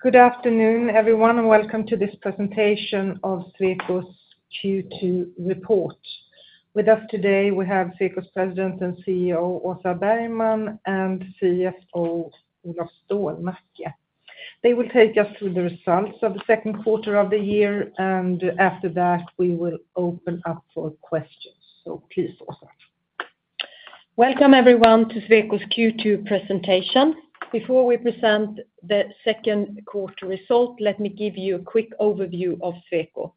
Good afternoon everyone and welcome to this presentation of Sweco's Q2 report. With us today we have Sweco's President and CEO Åsa Bergman and CFO Olof Stålnacke. They will take us through the results of the second quarter of the year, and after that we will open up for questions. Please, Åsa, welcome everyone to Sweco's Q2 presentation. Before we present the second quarter result, let me give you a quick overview of Sweco.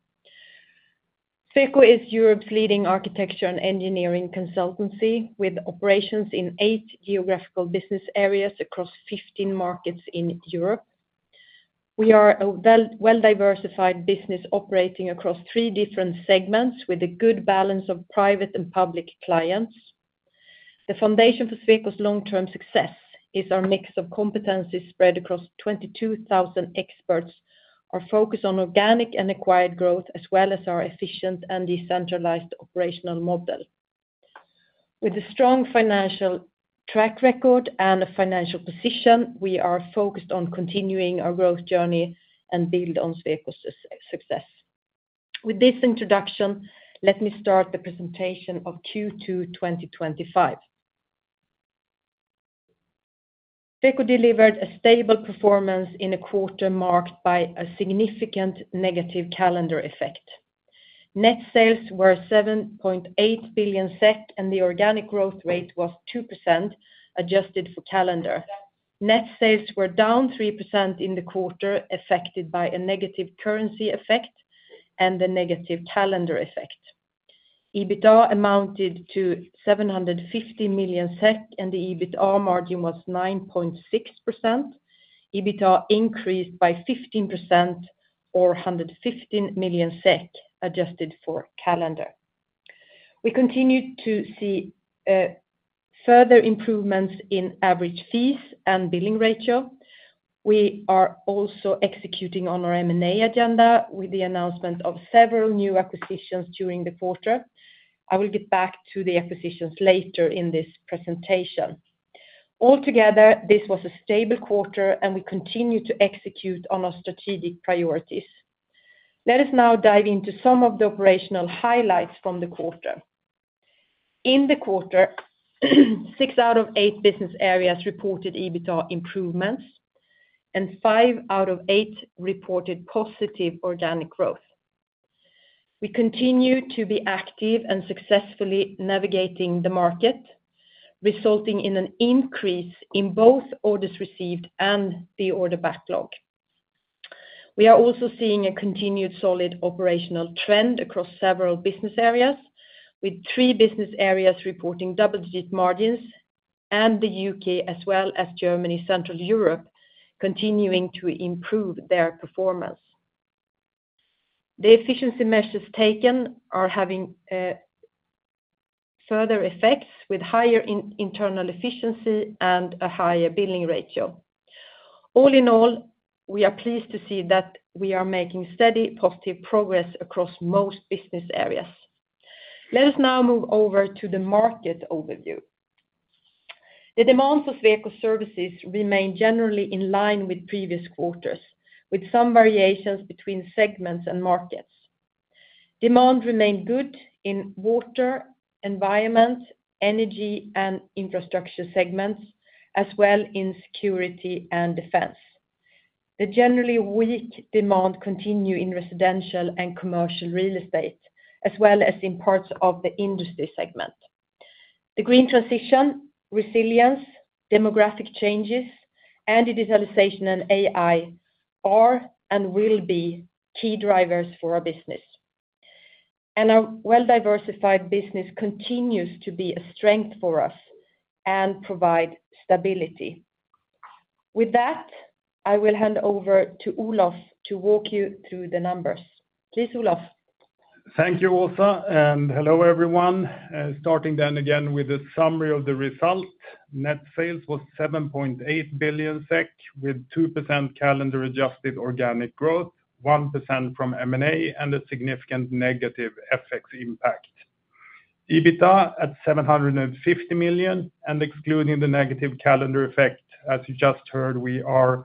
Sweco is Europe's leading architecture and engineering consultancy with operations in eight geographical business areas across 15 markets in Europe. We are a well-diversified business operating across three different segments with a good balance of private and public clients. The foundation for Sweco's long-term success is our mix of competencies spread across 22,000 experts, our focus on organic and acquired growth, as well as our efficient and decentralized operational model. With a strong financial track record and a financial position, we are focused on continuing our growth journey and build on Sweco's success. With this introduction, let me start the presentation of Q2 2025. Sweco delivered a stable performance in a quarter marked by a significant negative calendar effect. Net sales were 7.8 billion SEK and the organic growth rate was 2% adjusted for calendar. Net sales were down 3% in the quarter, affected by a negative currency effect and the negative calendar effect. EBITDA amounted to 750 million SEK and the EBITDA margin was 9.6%. EBITDA increased by 15% or 115 million SEK adjusted for calendar. We continue to see further improvements in average fees and billing ratio. We are also executing on our M&A agenda with the announcement of several new acquisitions during the quarter. I will get back to the acquisitions later in this presentation. Altogether, this was a stable quarter and we continue to execute on our strategic priorities. Let us now dive into some of the operational highlights from the quarter. In the quarter, six out of eight business areas reported EBITDA improvements and five out of eight reported positive organic growth. We continue to be active and successfully navigating the market, resulting in an increase in both orders received and the order backlog. We are also seeing a continued solid operational trend across several business areas, with three business areas reporting double-digit margins and the UK as well as Germany and Central Europe continuing to improve their performance. The efficiency measures taken are having. Effects with higher internal efficiency and a higher billing ratio. All in all, we are pleased to see that we are making steady positive progress across most business areas. Let us now move over to the Market Overview. The demand for engineering services remains generally in line with previous quarters, with some variations between segments and markets. Demand remained good in water, environment, energy, and infrastructure segments, as well as in security and defence. The generally weak demand continues in residential and commercial real estate, as well as in parts of the industry segment. The green transition, resilience, demographic changes, and digitalization and AI are and will be key drivers for our business, and our well-diversified business continues to be a strength for us and provide stability. With that, I will hand over to Olof to walk you through the numbers, please. Olof, thank you, Åsa, and hello everyone. Starting then again with a summary of the result. Net sales was 7.8 billion SEK with 2% calendar adjusted organic growth, 1% from M&A, and a significant negative FX impact. EBITDA at 750 million and excluding the negative calendar effect. As you just heard, we are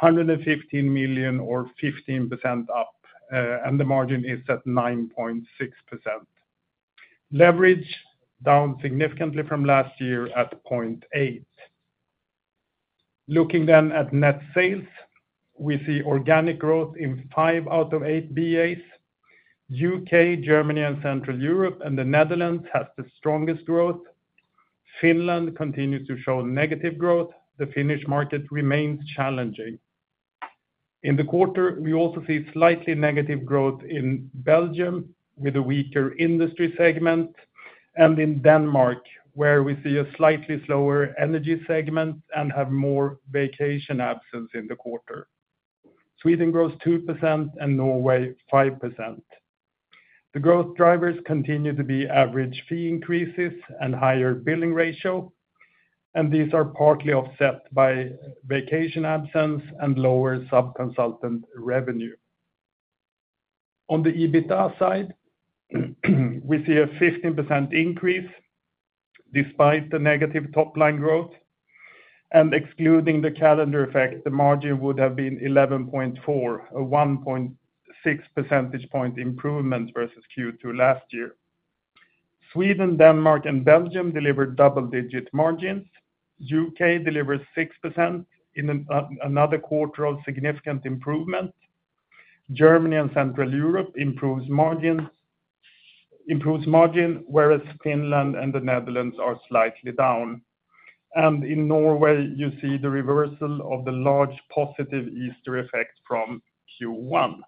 115 million or 15% up, and the margin is at 9.6%. Leverage down significantly from last year at 0.8. Looking then at net sales, we see organic growth in 5 out of 8 BAs. UK, Germany and Central Europe, and the Netherlands has the strongest growth. Finland continues to show negative growth. The Finnish market remains challenging in the quarter. We also see slightly negative growth in Belgium with a weaker industry segment and in Denmark where we see a slightly slower energy segment and have more vacation absence in the quarter. Sweden grows 2% and Norway 5%. The growth drivers continue to be average fee increases and higher billing ratio. These are partly offset by vacation absence and lower sub-consultant revenue. On the EBITDA side, we see a 15% increase despite the negative top line growth, and excluding the calendar effect, the margin would have been 11.4%, a 1.6 percentage point improvement versus Q2 last year. Sweden, Denmark, and Belgium delivered double-digit margins. UK delivers 6% in another quarter of significant improvement. Germany and Central Europe improves margin, whereas Finland and the Netherlands are slightly down, and in Norway you see the reversal of the large positive Easter effect from Q1.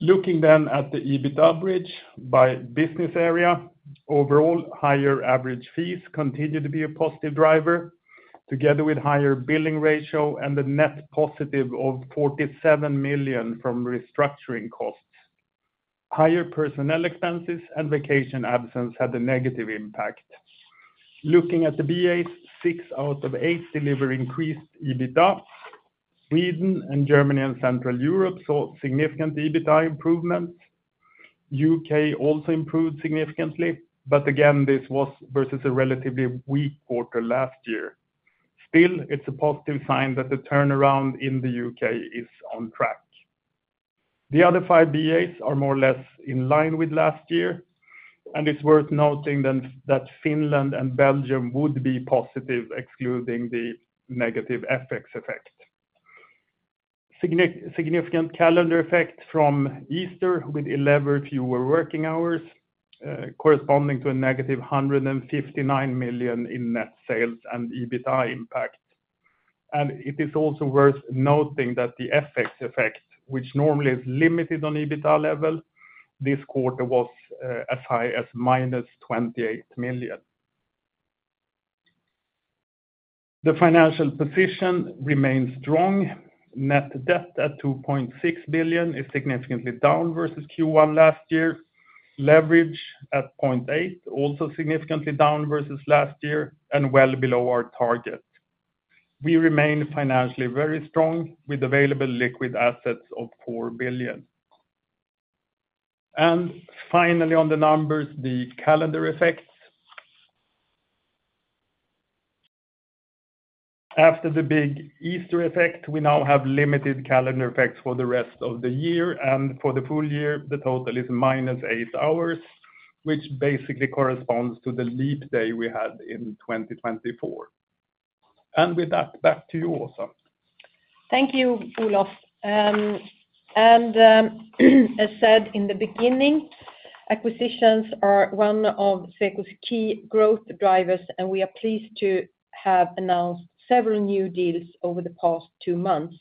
Looking then at the EBITDA bridge by business area, overall higher average fees continue to be a positive driver together with higher billing ratio and a net positive of 47 million from restructuring costs. Higher personnel expenses and vacation absence had a negative impact. Looking at the BAs, six out of eight deliver increased EBITDA. Sweden and Germany and Central Europe saw significant EBITDA improvements. UK also improved significantly, but again this was versus a relatively weak quarter last year. Still, it's a positive sign that the turnaround in the UK is on track. The other five BAs are more or less in line with last year, and it's worth noting that Finland and Belgium would be positive excluding the negative FX effect. Significant calendar effect from Easter with 11 fewer working hours corresponding to a negative 159 million in net sales and EBITDA impact. It is also worth noting that the FX effect, which normally is limited on EBITDA level, this quarter was as high as -28 million. The financial position remains strong. Net debt at 2.6 billion is significantly down versus Q1 last year. Leverage at 0.8 is also significantly down versus last year and well below our target. We remain financially very strong with available liquid assets of 4 billion. Finally, on the numbers, the calendar effects after the big Easter effect, we now have limited calendar effects for the rest of the year, and for the full year the total is minus eight hours, which basically corresponds to the leap day we had in 2024. With that, back to you Åsa. Thank you Olof and as said in the beginning, acquisitions are one of Sweco's key growth drivers and we are pleased to have announced several new deals over the past two months.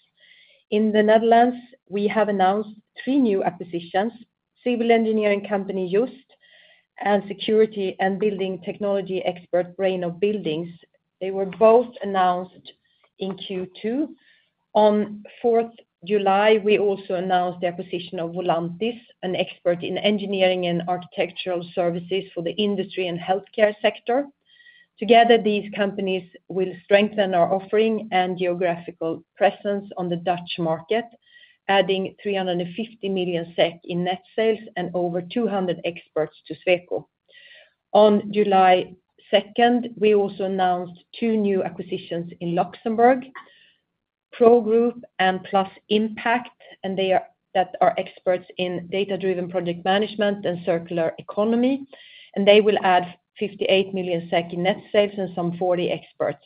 In the Netherlands we have announced three new civil engineering company Joost and security and building technology expert Reynaert Building. They were both announced in Q2. On July 4 we also announced the acquisition of Volantis, an expert in engineering and architectural services for the industry and healthcare sector. Together these companies will strengthen our offering and geographical presence on the Dutch market, adding 350 million SEK in net sales and over 200 experts to Sweco. On July 2 we also announced two new acquisitions in Luxembourg, PROgroup and ImpaKT+, and they are experts in data-driven project management and circular economy services and they will add 58 million in net sales and some 40 experts.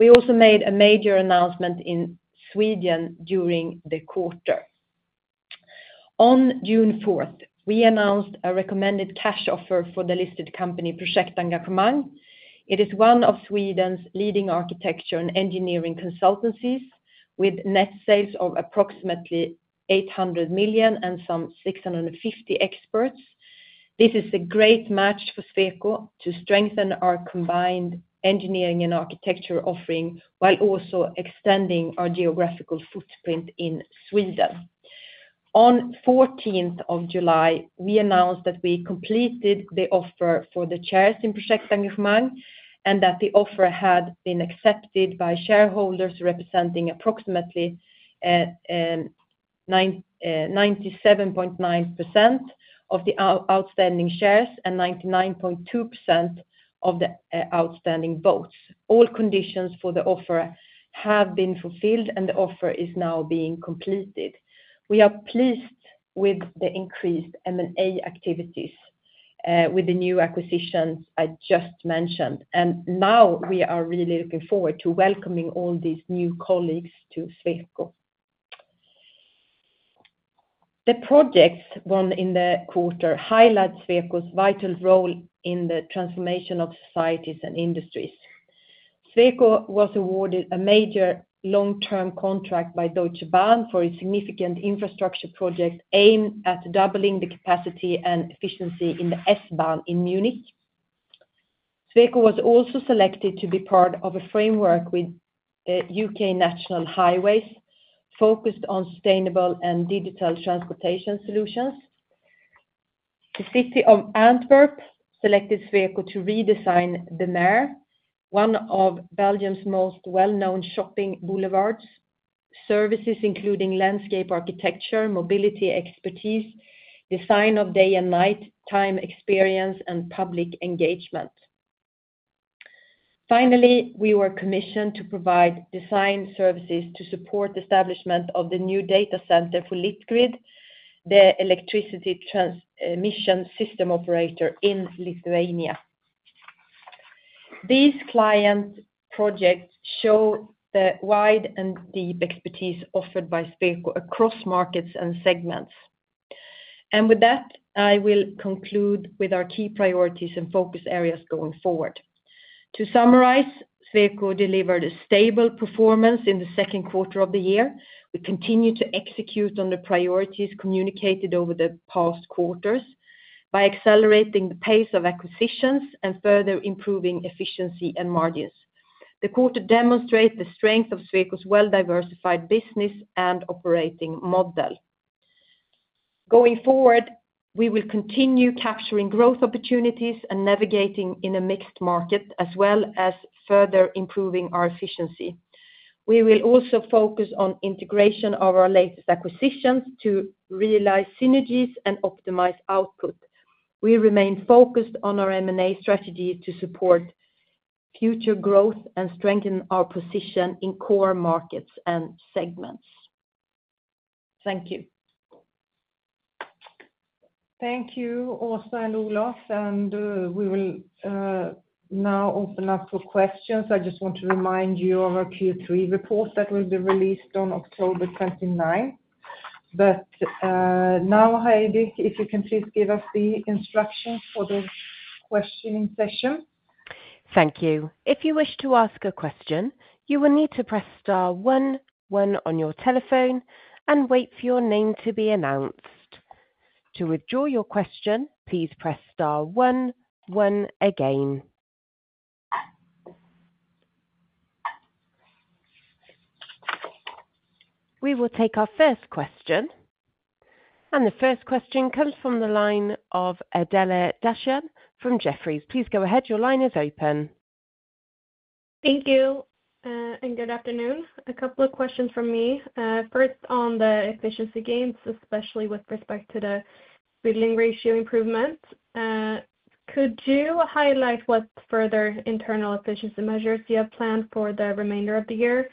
We also made a major announcement in Sweden during the quarter. On June 4 we announced a recommended cash offer for the listed company Projektengagemang. It is one of Sweden's leading architecture and engineering consultancies with net sales of approximately 800 million and some 650 experts. This is a great match for Sweco to strengthen our combined engineering and architecture offering while also extending our geographical footprint in Switzerland. On July 14 we announced that we completed the offer for the shares in Projektengagemang and that the offer had been accepted by shareholders representing approximately 97.9% of the outstanding shares and 99.2% of the outstanding votes. All conditions for the offer have been fulfilled and the offer is now being completed. We are pleased with the increased M&A activity with the new acquisitions I just mentioned. We are really looking forward to welcoming all these new colleagues to Sweco. The projects won in the quarter highlight Sweco's vital role in the transformation of societies and industries. Sweco was awarded a major long-term contract by Deutsche Bahn for a significant infrastructure project aimed at doubling the capacity and efficiency in the S-Bahn Munich. Sweco was also selected to be part of a framework with UK National Highways focused on sustainable and digital transportation solutions. The city of Antwerp selected Sweco to redesign the Meir, one of Belgium's most well-known shopping boulevards, services including landscape architecture, mobility expertise, design of day and night time experience, and public engagement. Finally, we were commissioned to provide design services to support establishment of the new data center for Litgrid, the electricity transmission system operator in Lithuania. These client projects show the wide and deep expertise offered by Sweco across markets and segments. I will conclude with our key priorities and focus areas going forward. To summarize, Sweco delivered a stable performance in the second quarter of the year. We continue to execute on the priorities communicated over the past quarters. By accelerating the pace of acquisitions and further improving efficiency and margins, the quarter demonstrates the strength of Sweco's well-diversified business and operating model. Going forward, we will continue capturing growth opportunities and navigating in a mixed market as well as further improving our efficiency. We will also focus on integration of our latest acquisitions to realize synergies and optimize output. We remain focused on our M&A strategy to support future growth and strengthen our position in core markets and segments. Thank you. Thank you, Åsa and Olof, and we will now open up for questions. I just want to remind you of our Q3 report that will be released on October 29, 2023. Now, Heidi, if you can please give us the instructions for the questioning session. Thank you. If you wish to ask a question, you will need to press Star one one on your telephone and wait for your name to be announced. To withdraw your question, please press Star one one. We will take our first question, and the first question comes from the line of Adela Dashian from Jefferies. Please go ahead. Your line is open. Thank you and good afternoon. A couple of questions from me. First on the efficiency gains, especially with respect to the billing ratio improvement. Could you highlight what further internal efficiency measures you have planned for the remainder of the year,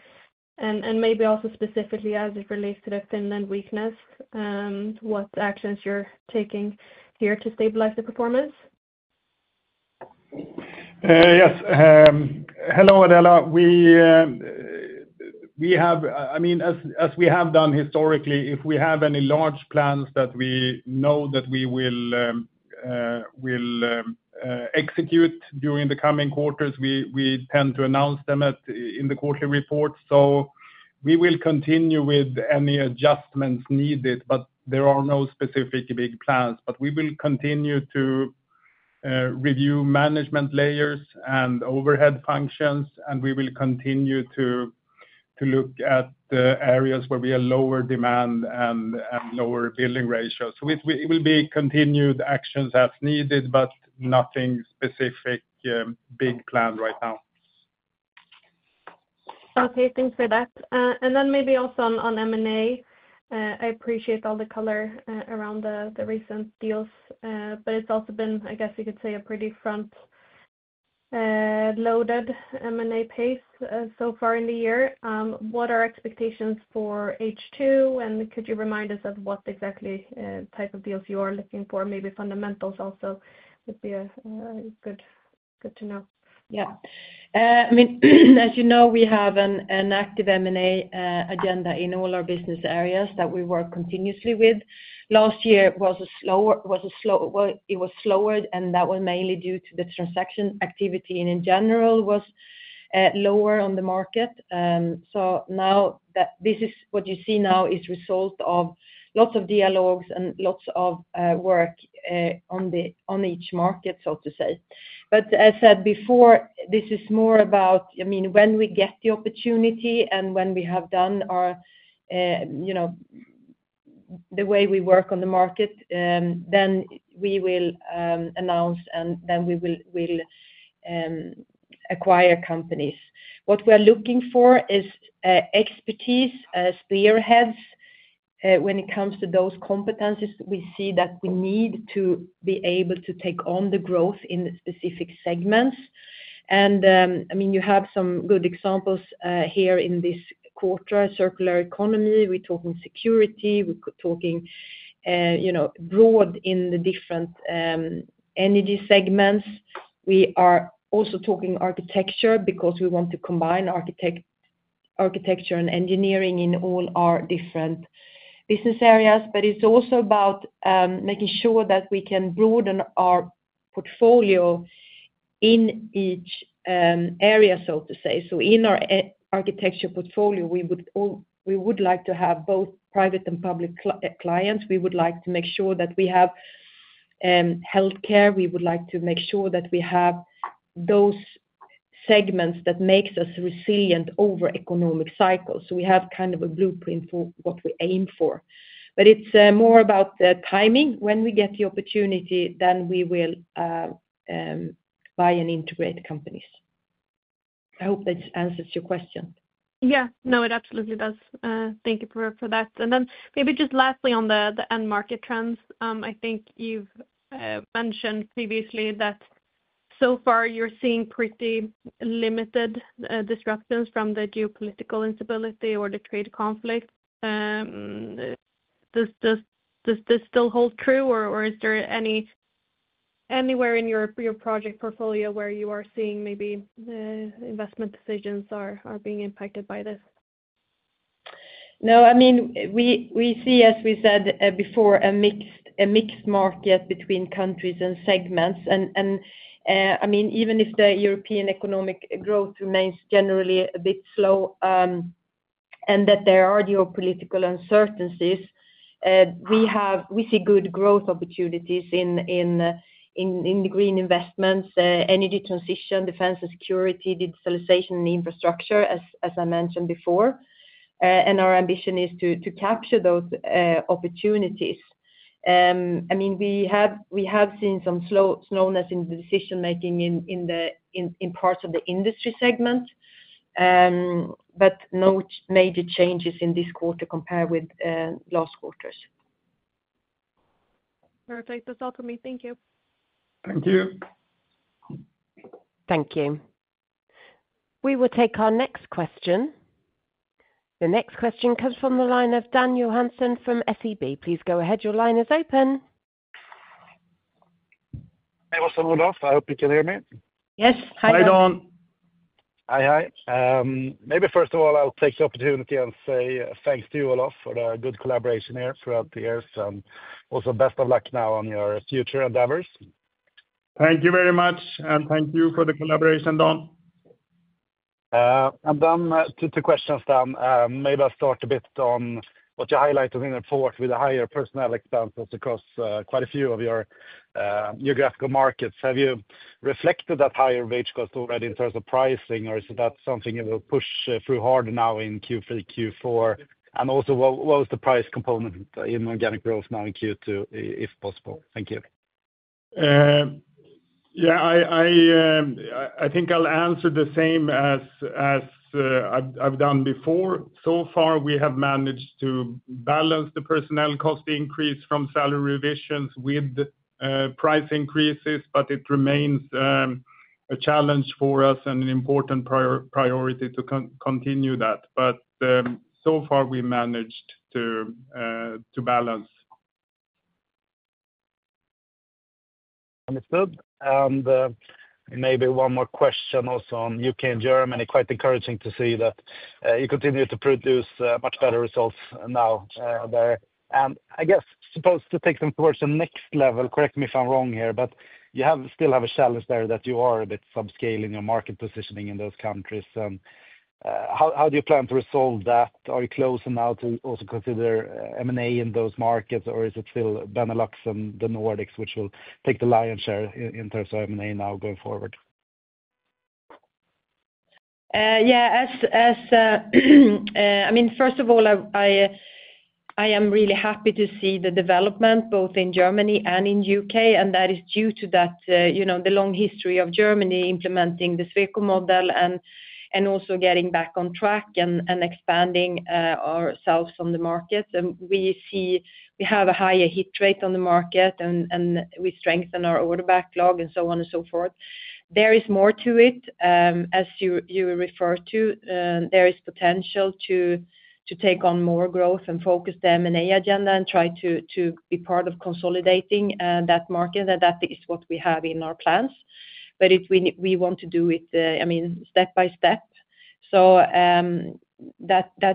and maybe also specifically as it relates to the Finland weakness, what actions you're taking here to stabilize the performance? Yes. Hello Adela, we have. As we have done historically, if we have any large plans that we know we will execute during the coming quarters, we tend to announce them in the quarterly report. We will continue with any adjustments needed. There are no specific big plans. We will continue to review management layers and overhead functions, and we will continue to look at areas where we have lower demand and lower billing ratios. It will be continued actions as needed, nothing specific big planned right now. Okay, thanks for that. Maybe also on M&A, I appreciate all the color around the recent deals, but it's also been, I guess you could say, a pretty front-loaded M&A pace so far in the year. What are expectations for H2, and could you remind us of what exactly type of deals you are looking for? Maybe fundamentals also would be good to know. Yeah, I mean as you know we have an active M&A agenda in all our business areas that we work continuously with. Last year was slower and that was mainly due to the transaction activity in general being lower on the market. What you see now is the result of lots of dialogues and lots of work on each market, so to say. As said before, this is more about when we get the opportunity and when we have done our, you know, the way we work on the market, then we will announce and then we will acquire companies. What we're looking for is expertise spearheads when it comes to those competencies. We see that we need to be able to take on the growth in specific segments. I mean you have some good examples here in this quarter: circular economy, we're talking security, we're talking, you know, broad in the different energy segments. We are also talking architecture because we want to combine architecture and engineering in all our different business areas. It's also about making sure that we can broaden our portfolio in each area, so to say. In our architecture portfolio we would like to have both private and public clients. We would like to make sure that we have healthcare, we would like to make sure that we have those segments that make us resilient over economic cycles. We have kind of a blueprint for what we aim for, but it's more about the timing. When we get the opportunity, then we will buy and integrate companies. I hope that answers your question. Yeah, no, it absolutely does. Thank you for that. Lastly, on the end market trends, I think you've mentioned previously that so far you're seeing pretty limited disruptions from the geopolitical instability or the trade conflict. Does this still hold true, or is there anywhere in your project portfolio where you are seeing maybe investment decisions are being impacted by this? No. I mean, we see, as we said before, a mixed market between countries and segments. Even if the European economic growth remains generally a bit slow and that there are geopolitical uncertainties, we see good growth opportunities in green investments, energy transition, defence and security, digitalization and infrastructure, as I mentioned before, and our ambition is to capture those opportunities. We have seen some slowness in the decision making in parts of the industry segment, but no major changes in this quarter compared with last quarters. Perfect. That's all for me. Thank you. Thank you. Thank you. We will take our next question. The next question comes from the line of Dan Johansson from SEB. Please go ahead. Your line is open. I hope you can hear me. Yes. Hi, Dan. Hi. Hi. First of all, I'll take the opportunity and say thanks to you, Olof, for the good collaboration here throughout the years. Also, best of luck now on your future endeavors. Thank you very much, and thank you for the collaboration. Don't. Two questions. Dan, maybe I'll start a bit on what you highlighted in the report with the higher personnel expenses across quite a few of your geographical markets. Have you reflected that higher wage cost already in terms of pricing? Is that something you will push through harder now in Q3, Q4, and also what was the price component in organic growth now in Q2, if possible? Thank you. Yeah, I think I'll answer the same as I've done before. So far we have managed to balance the personnel cost increase from salary revisions with price increases. It remains a challenge for us and an important priority to continue that. So far we managed to balance. Understood. Maybe one more question also on UK and Germany, quite encouraging to see that you continue to produce much better results now there and I guess supposed to take them towards the next level. Correct me if I'm wrong here, but you still have a challenge there that you are a bit subscale in your market positioning in those countries. How do you plan to resolve that? Are you close enough to also consider M&A in those markets or is it still Benelux and the Nordics which will take the lion's share in terms of M&A now going forward? Yeah, I mean, first of all I am really happy to see the development both in Germany and in the UK, and that is due to the long history of Germany implementing the Sweco model and also getting back on track and expanding ourselves on the market. We see we have a higher hit rate on the market, and we strengthen our order backlog and so on and so forth. There is more to it as you refer to. There is potential to take on more growth and focus the M&A agenda and try to be part of consolidating that market. That is what we have in our plans. We want to do it step by step. That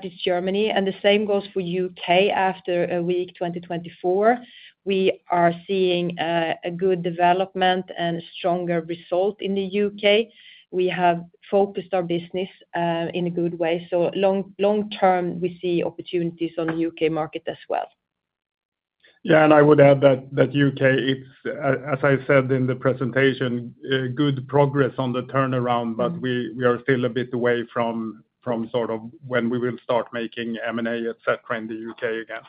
is Germany, and the same goes for the UK. After a weak 2024, we are seeing a good development and stronger result in the UK. We have focused our business in a good way. Long term, we see opportunities on the UK market as well. Yeah, and I would add that UK, as I said in the presentation, good progress on the turnaround, but we are still a bit away from sort of when we will start making M&A, et cetera in the UK again.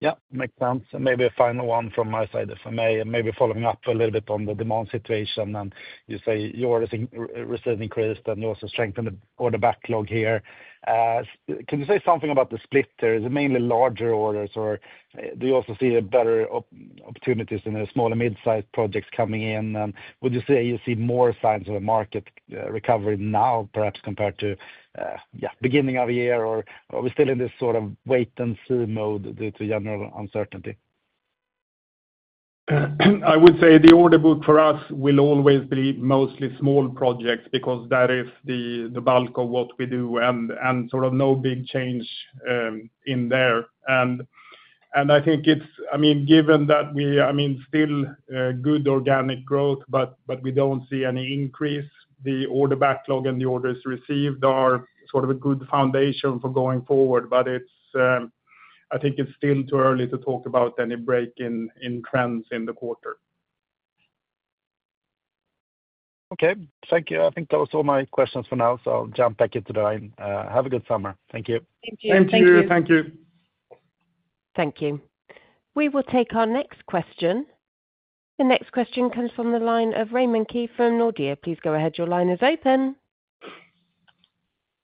Yeah, makes sense. Maybe a final one from my side, if I may. Following up a little bit on the demand situation, you say your reserves increase, then you also strengthen the order backlog here. Can you say something about the split? Is it mainly larger orders or do you also see better opportunities in the small and mid-sized projects coming in? Would you say you see more signs of a market recovery now, perhaps compared to the beginning of the year, or are we still in this sort of wait and see mode due to general uncertainty? I would say the order book for us will always be mostly small projects because that is the bulk of what we do, and no big change in there. I think it's, I mean, still good organic growth, but we don't see any increase. The order backlog and the orders received are a good foundation for going forward. I think it's still too early to talk about any break in trends in the quarter. Okay, thank you. I think those are my questions for now, so I'll jump back into the line. Have a good summer. Thank you. Thank you. Thank you. Thank you. Thank you. We will take our next question. The next question comes from the line of Raymond Ke from Nordea. Please go ahead. Your line is open.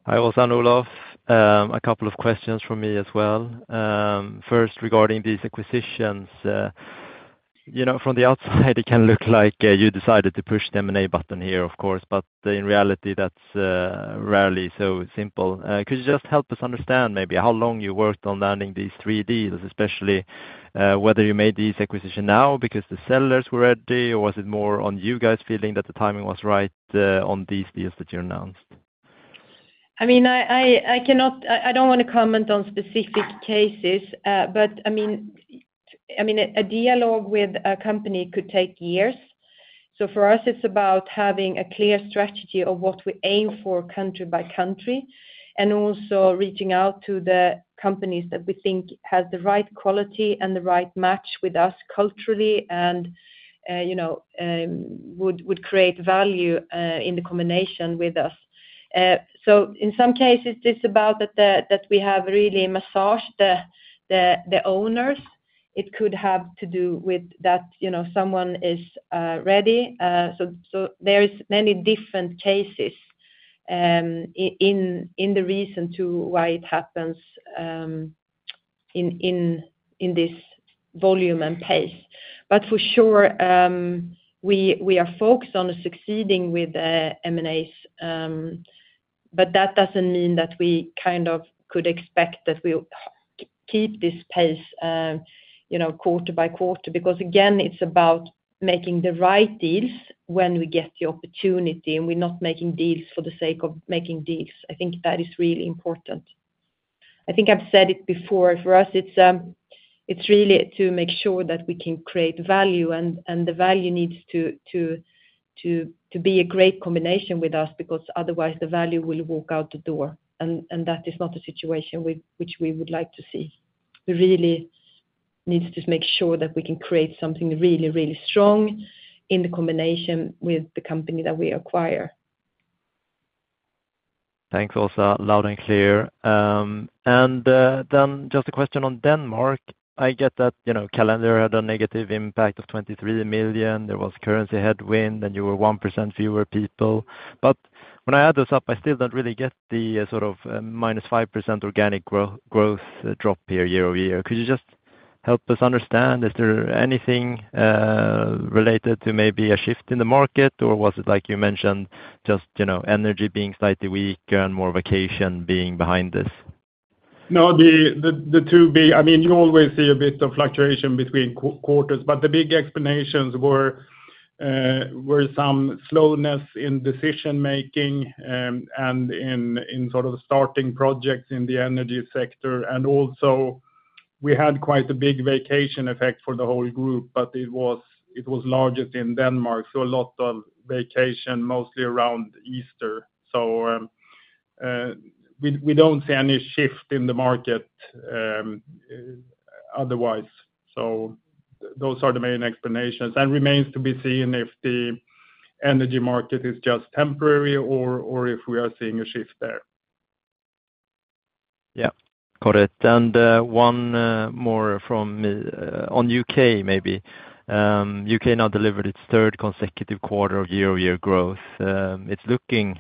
Hi Olof, a couple of questions from me as well. First, regarding these acquisitions. You know, from the outside it can look like you decided to push the M&A button here, of course, but in reality that's rarely so simple. Could you just help us understand maybe how long you worked on landing these three deals? Especially whether you made these acquisitions now because the sellers were ready or was it more on you guys feeling that the timing was right on these deals that you announced? I mean, I don't want to comment on specific cases, but a dialogue with a company could take years. For us, it's about having a clear strategy of what we aim for country by country and also reaching out to the companies that we think have the right quality and the right match with us culturally and would create value in the combination with us. In some cases, it's about that we have really massaged the owners. It could have to do with that, you know, someone is ready. There are many different cases in the reason why it happens in this volume and pace. For sure, we are focused on succeeding with M&A, but that doesn't mean that we could expect that we keep this pace quarter by quarter. Again, it's about making the right deals when we get the opportunity and we're not making deals for the sake of making deals. I think that is really important. I think I've said it before. For us, it's really to make sure that we can create value. The value needs to be a great combination with us because otherwise the value will walk out the door. That is not a situation which we would like to see. We really need to make sure that we can create something really, really strong in the combination with the company that we acquire. Thanks Åsa, loud and clear. Just a question on Denmark. I get that, you know, calendar had a negative impact of 23 million. There was currency headwind and you were 1% fewer people. When I add those up, I still don't really get the sort of -5% organic growth drop here year over year. Could you just help us understand, is there anything related to maybe a shift in the market or was it like you mentioned, just energy being slightly weaker and more vacation being behind this? No, the two big. I mean you always see a bit of fluctuation between quarters. The big explanations were some slowness in decision making and in sort of starting projects in the energy sector. We also had quite a big vacation effect for the whole group, but it was largest in Denmark. A lot of vacation mostly around Easter. We don't see any shift in the market otherwise. Those are the main explanations and it remains to be seen if the energy market is just temporary or if we are seeing a shift there. Yeah, got it. One more on UK. Maybe UK now delivered its third consecutive quarter of year over year growth. It's looking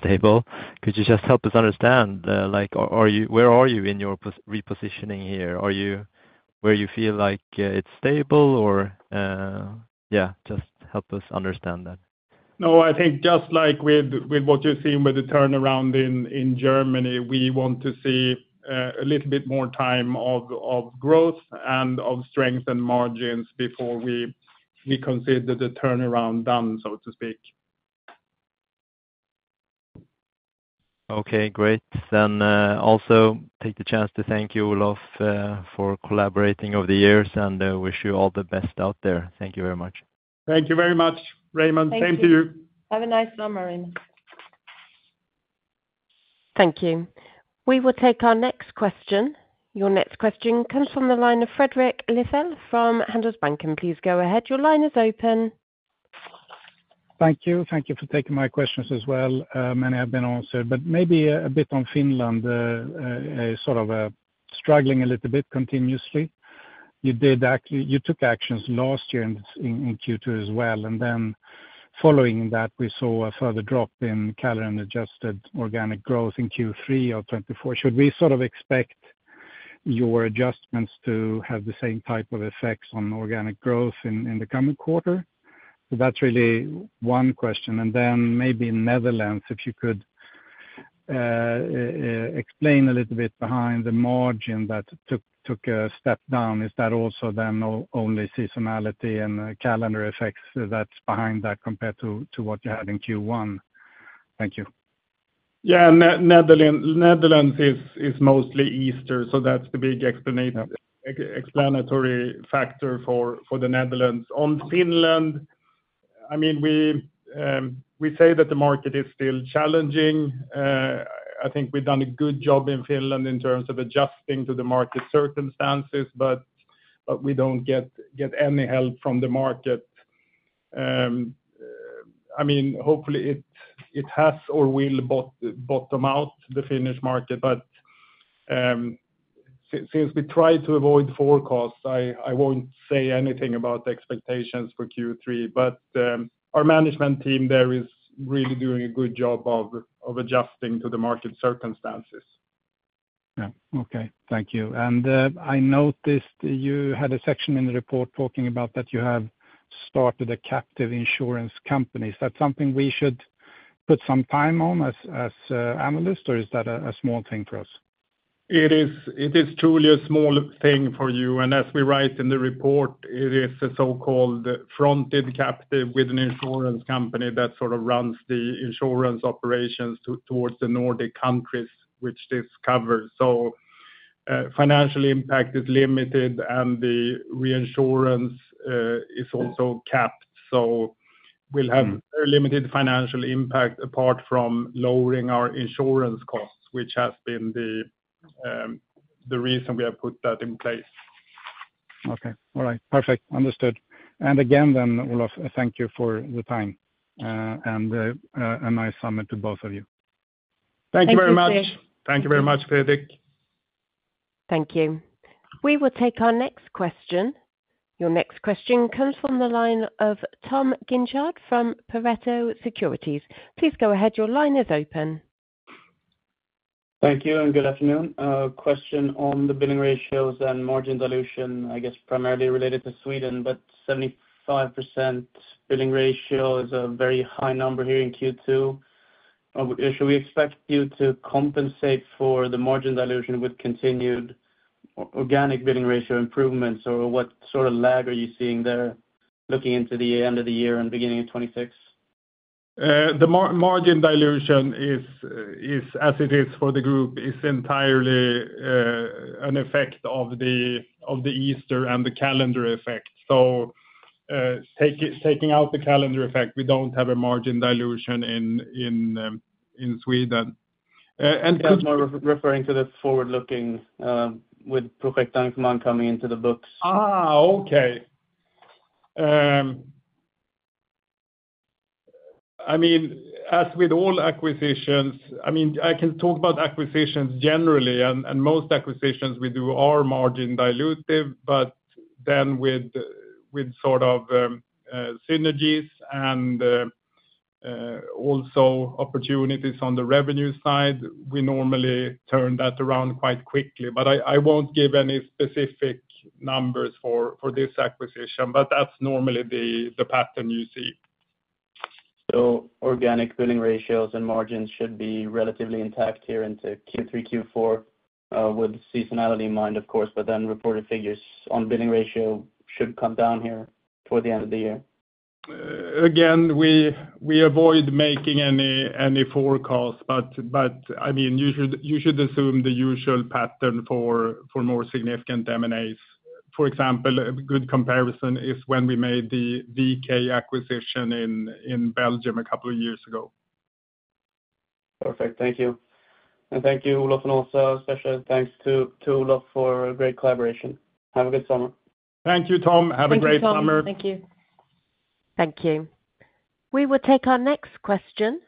stable. Could you just help us understand, like where are you in your repositioning here? Are you where you feel like it's stable? Yeah, just help us understand that. No, I think just like with what you've seen with the turnaround in Germany, we want to see a little bit more time of growth and of strength in margins before we consider the turnaround done, so to speak. Okay, great. I also take the chance to thank you, Olof, for collaborating over the years and wish you all the best out there. Thank you very much. Thank you very much, Raymond. Same to you. Have a nice summer, Raymond. Thank you. We will take our next question. Your next question comes from the line of Fredrik Lithell from Handelsbanken. Please go ahead. Your line is open. Thank you. Thank you for taking my questions as well. Many have been answered, but maybe a bit on Finland, sort of struggling a little bit continuously. You did actually, you took actions last year in Q2 as well. Following that, we saw a further drop in calendar and adjusted organic growth in Q3 of 2024. Should we sort of expect your adjustments to have the same type of effects on organic growth in the coming quarter? That's really one question. Maybe in Netherlands, if you. Could. Explain a little bit behind the margin that took a step down. Is that also then only seasonality and calendar effects that's behind that compared to what you had in Q1? Thank you. Yeah, Netherlands is mostly Easter. That's the big explanatory factor for the Netherlands. On Finland, I mean, we say that the market is still challenging. I think we've done a good job in Finland in terms of adjusting to the market circumstances, but we don't get any help from the market. Hopefully it has or will bottom out, the Finnish market. Since we try to avoid forecasts, I won't say anything about expectations for Q3, but our management team there is really doing a good job of adjusting to the market circumstances. Thank you. I noticed you had a section in the report talking about that you have started a captive insurance company. Is that something we should put some time on as analysts, or is that a small thing for us? It is truly a small thing for you. As we write in the report, it is a so-called fronted captive with an insurance company that runs the insurance operations towards the Nordic countries, which this covers. Financial impact is limited and the reinsurance is also capped. We will have very limited financial impact apart from lowering our insurance costs, which has been the reason we have put that in place. Okay, all right. Perfect. Understood. Again, Olof, thank you for the time and a nice summit to both of you. Thank you very much. Thank you very much, Fredrik. Thank you. We will take our next question. Your next question comes from the line of Tom Guinchard from Pareto Securities. Please go ahead. Your line is open. Thank you. Good afternoon. Question on the billing ratios and margin dilution, I guess primarily related to Sweden, but 75% billing ratio is a very high number here in Q2. Should we expect you to compensate for the margin dilution with continued organic billing ratio improvements, or what sort of lag are you seeing there? Looking into the end of the year and beginning of 2026, the margin dilution. is, as it is for the group, entirely an effect of the Easter and the calendar effect. Taking out the calendar effect, we don't have a margin dilution in Sweden. Referring to the forward looking, with Projektengagemang AB coming into the books. Okay. As with all acquisitions, I can talk about acquisitions generally, and most acquisitions we do are margin dilutive, but then with sort of synergies and also opportunities on the revenue side, we normally turn that around quite quickly. I won't give any specific numbers for this acquisition, but that's normally the pattern you see. Organic billing ratios and margins should be relatively intact here into Q3, Q4 with seasonality in mind, of course. However, reported figures on billing ratio should come down here toward the end of the year. Again, we avoid making any forecasts, but I mean, you should assume the usual pattern for more significant M&As. For example, a good comparison is when we made the VK acquisition in Belgium a couple of years ago. Perfect. Thank you. And thank you, Olof. Also, special thanks to Olof for great collaboration. Have a good summer. Thank you, Tom. Have a great summer. Thank you. Thank you. We will take our next question.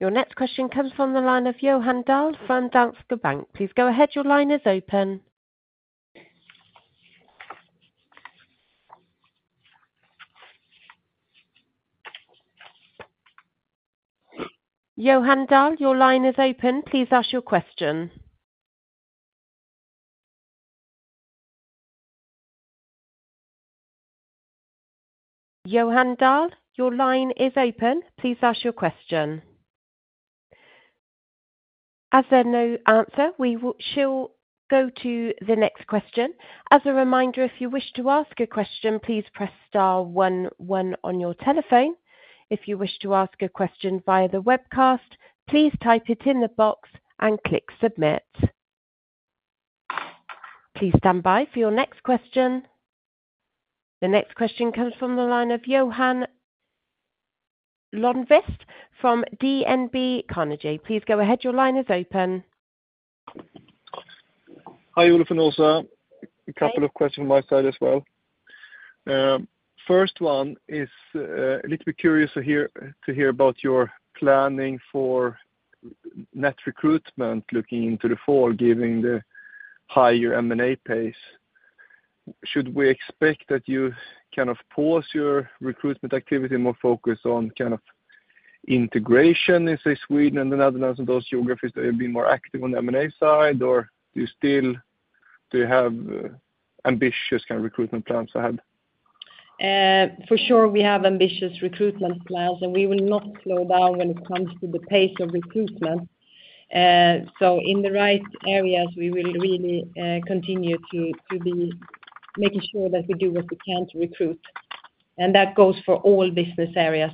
Your next question comes from the line of Johan Dahl from DNB Carnegie. Please go ahead. Your line is open. Johan Dahl, your line is open. Please ask your question. Johan Dahl, your line is open. Please ask your question. As there is no answer, we shall go to the next question. As a reminder, if you wish to ask a question, please press star one one on your telephone. If you wish to ask a question. Via the webcast, please type it in the box and click Submit. Please stand by for your next question. The next question comes from the line of Johan Lönnqvist from DNB Carnegie. Please go ahead. Your line is open. Hi, Olof and Åsa, a couple of questions on my side as well. First one is a little bit curious to hear about your planning for net recruitment. Looking into the fall, giving the higher M&A pace, should we expect that you kind of pause your recruitment activity, more focus on kind of integration in, say, Sweden and the Netherlands and those geographies that have been more active on the M&A side, or do you still have ambitious recruitment plans ahead? For sure we have ambitious recruitment plans, and we will not see a slowdown when it comes to the pace of recruitment. In the right areas, we will really continue to be making sure that we do what we can to recruit, and that goes for all business areas.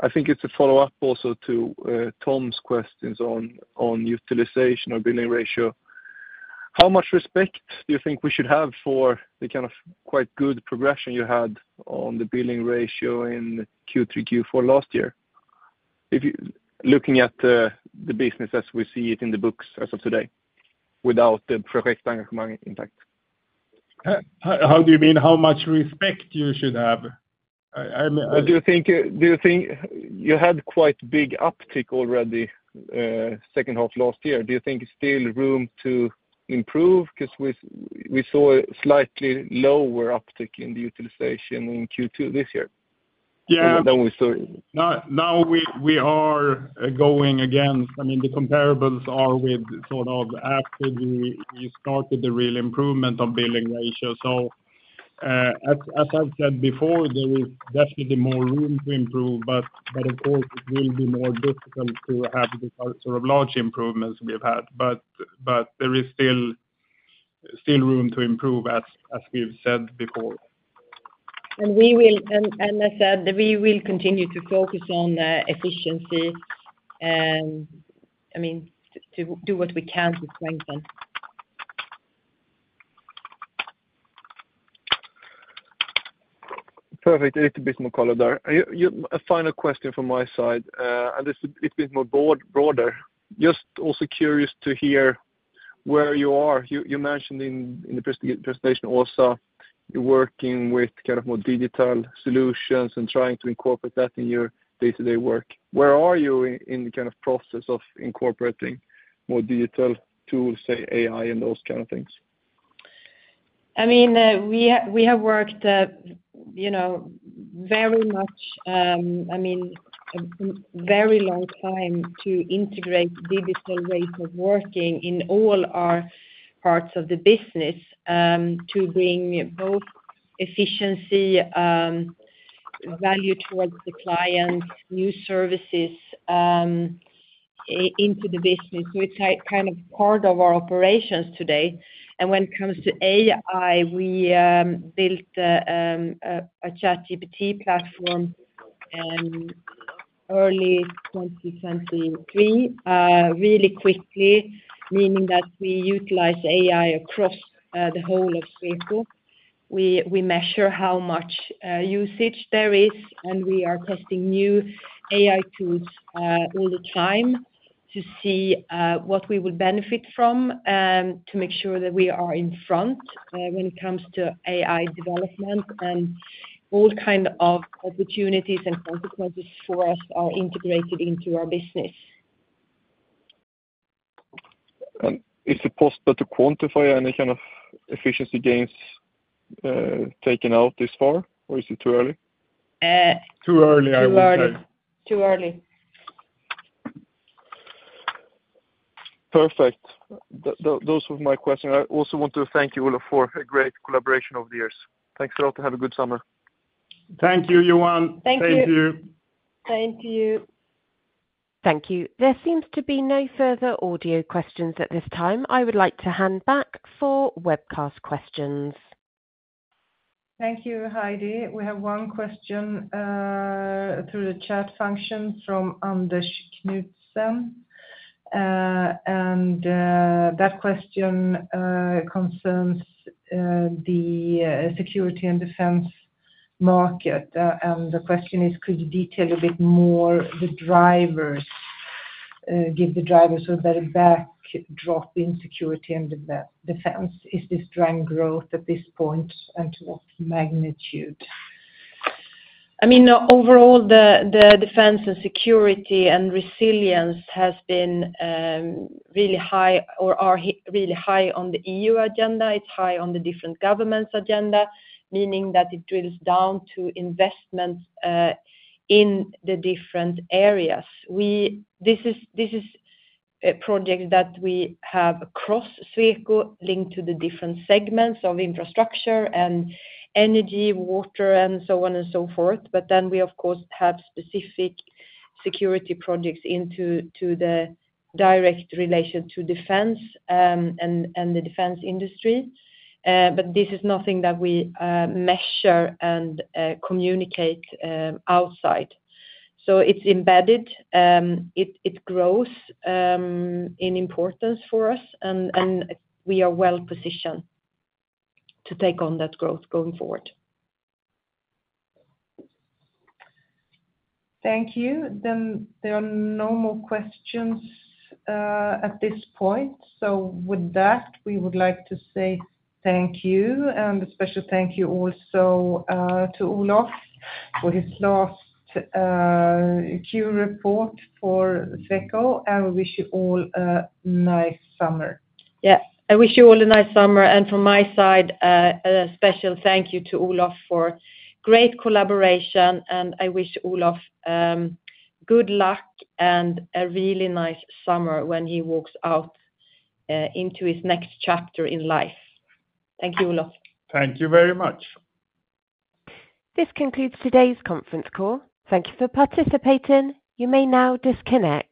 I think it's a follow up also to Tom's questions on utilization or billing ratio. How much respect do you think we should have for the kind of quite good progression you had on the billing ratio in Q3 Q4 last year? Looking at the business as we see it in the books as of today without the impact, how do you mean. How much respect should you have? Do you think you had quite big uptick already second half last year, do you think still room to improve? Because we saw a slightly lower uptick in the utilization in Q2 this year. Yeah. Now we are going against, I mean the comparables are with sort of after we started the real improvement of billing ratio. As I've said before, there is definitely more room to improve, but of course it will be more difficult to have sort of large improvements we have had. There is still room to improve as we've said before and we. I said we will continue to focus on efficiency. I mean to do what we can to strengthen. Perfect, a little bit more color there. A final question from my side, and it's been more broader. Just also curious to hear where you are. You mentioned in the presentation also you're working with kind of more digital solutions and trying to incorporate that in your day to day work. Where are you in the kind of process of incorporating more digital tools, say AI and those kind of things? We have worked very much, I mean a very long time to integrate digital ways of working in all parts of the business to bring both efficiency value towards the clients, new services into the business. It's kind of part of our operations today. When it comes to AI, we built a ChatGPT platform early 2023 really quickly, meaning that we utilize AI across the whole of Sweco. We measure how much usage there is, and we are testing new AI tools all the time to see what we would benefit from to make sure that we are in front when it comes to AI development, and all kinds of opportunities and consequences for us are integrated into our business. Is it possible to quantify any kind of efficiency gains taken out this far, or is it too early? Too early, I would say. Too early. Perfect. Those were my questions. I also want to thank you all for a great collaboration over the years. Thanks a lot, and have a good summer. Thank you, Johan. Thank you. Thank you. Thank you. There seems to be no further audio questions at this time. I would like to hand back for webcast questions. Thank you, Heidi. We have one question through the chat function from Anders Knudsen, and that question concerns the security and defense market. The question is, could you detail a bit more the drivers? Give the drivers a better backdrop in security and defense. Is this driving growth at this point? To what magnitude? I mean overall the defense and security and resilience has been really high or are really high on the EU agenda. It's high on the different governments' agenda, meaning that it drills down to investments in the different areas. This is project that we have across Sweco linked to the different segments of infrastructure and energy, water and so on and so forth. We of course have specific security projects into the direct relation to defense and the defense industry. This is nothing that we measure and communicate outside. It's embedded, it grows in importance for us and we are well positioned to take on that growth going. Thank you. There are no more questions at this point. With that, we would like to say thank you and a special thank you also to Olof for his last Q report for Sweco, and we wish you all a nice summer. Yes, I wish you all a nice summer. From my side, a special thank you to Olof for great collaboration, and I wish Olof good luck and a really nice summer when he walks out into his next chapter in life. Thank you, Olof. Thank you very much. This concludes today's conference call. Thank you for participating. You may now disconnect.